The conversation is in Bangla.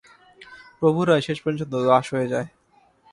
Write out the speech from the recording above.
প্রভুরাই শেষ পর্যন্ত দাস হয়ে দাঁড়ায়।